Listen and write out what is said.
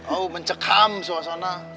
oh mencekam suasana